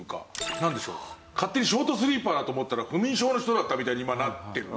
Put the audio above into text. なんでしょう勝手にショートスリーパーだと思ったら不眠症の人だったみたいに今なってるんです。